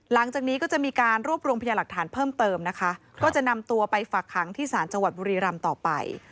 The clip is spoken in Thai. หลังจากนี้ก็จะมีการรวบรวมพยาหลักฐานเพิ่มเติมนะคะก็จะนำตัวไปฝักขังที่ศาลจังหวัดบุรีรำต่อไป